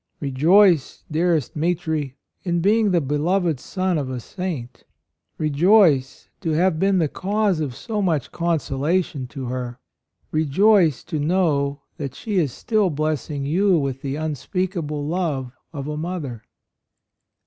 Rejoice, dearest Mitri, in being the beloved son of a saint; rejoice to have been the cause of so much consolation to her; rejoice to know that she is still blessing you with the unspeakable love of a mother!